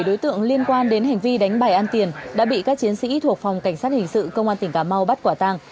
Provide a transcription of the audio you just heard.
bảy đối tượng liên quan đến hành vi đánh bài ăn tiền đã bị các chiến sĩ thuộc phòng cảnh sát hình sự công an tỉnh cà mau bắt quả tàng